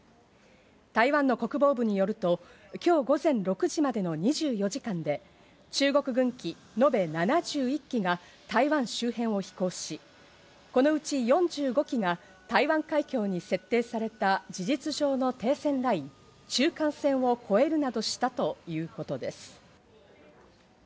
台湾の国防部によると、今日午前６時までの２４時間で中国軍機延べ７１機が台湾周辺を飛行し、このうち４５機が台湾海峡に設定された事実上の停戦ライン、中間線を越えるなどしたということです。